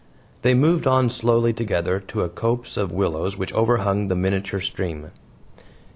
They moved on slowly together to a copse of willows which overhung the miniature stream.